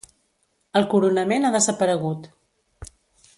El coronament ha desaparegut.